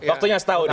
waktunya setahun ya